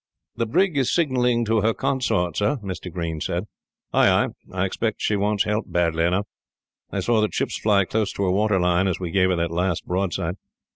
"The brig is signalling to her consort, sir," Mr. Green said, coming up. "Ay, ay. I expect she wants help badly enough. I saw the chips fly close to her waterline, as we gave her that last broadside."